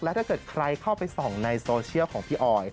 ถ้าเกิดใครเข้าไปส่องในโซเชียลของพี่ออย